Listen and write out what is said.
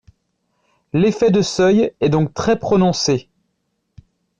L’effet de seuil est donc très prononcé.